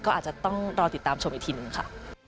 ก็อาจจะต้องรอติดตามชมอีกทีหนึ่งค่ะ